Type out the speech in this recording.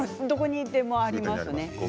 どこにでもありますね。